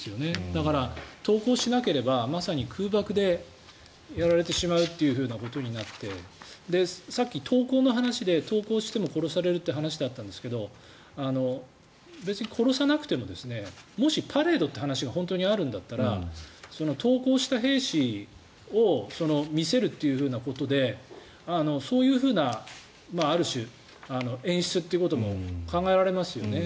だから、投降しなければまさに空爆でやられてしまうということになってさっき、投降の話で投降しても殺されるという話だったんですが別に殺さなくてももし、パレードという話が本当にあるんだとしたら投降した兵士を見せるということでそういうふうなある種、演出ということも考えられますよね。